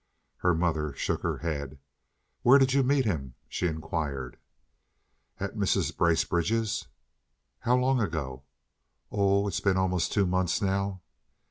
Her mother shook her head. "Where did you meet him?" she inquired. "At Mrs. Bracebridge's." "How long ago?" "Oh, it's been almost two months now."